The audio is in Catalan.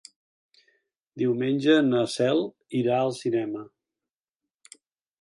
Diumenge na Cel irà al cinema.